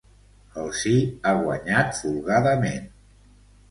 El sí ha guanyat folgadament.